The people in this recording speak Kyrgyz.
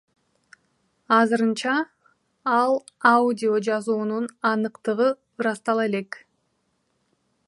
Азырынча ал аудиожазуунун аныктыгы ырастала элек.